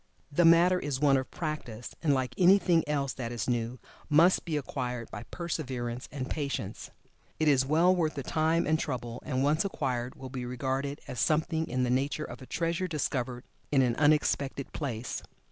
The matter is one of practice, and, like anything else that is new, must be acquired by perseverance and patience. It is well worth the time and trouble, and once acquired will be regarded as something in the nature of a treasure discovered in an unexpected place.